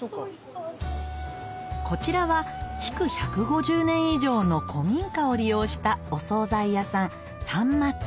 こちらは築１５０年以上の古民家を利用したおそうざい屋さん